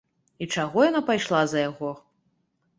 І чаго яна пайшла за яго?